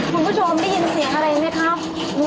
คุณผู้ชมได้ยินเสียงอะไรไหมครับ